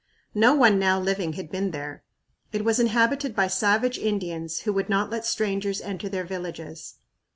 "No one now living had been there." "It was inhabited by savage Indians who would not let strangers enter their villages."